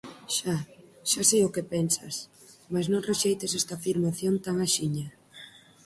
Xa, xa sei o que pensas, mais non rexeites esta afirmación tan axiña.